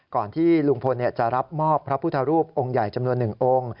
ก่อนที่ลุงพลจะรับมอบพระพุทธรูปองค์ใหญ่จำนวน๑องค์